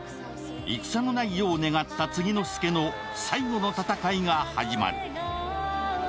戦のないよう願った継之助の最後の戦いが始まる。